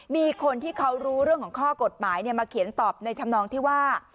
มีคนที่เขารู้เรื่องของข้อกฎหมายมาเขียนตอบในธรรมนองที่ว่า